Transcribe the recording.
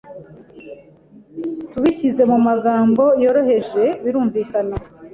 Tubishyize mu magambo yoroheje birumvikana